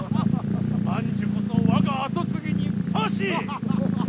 万寿こそ我が跡継ぎにふさわしい！